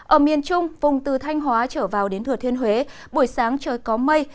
ở miền trung vùng từ thanh hóa trở vào đến thừa thiên huế buổi sáng trời có mây